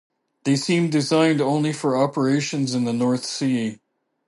They seemed designed only for operations in the North Sea.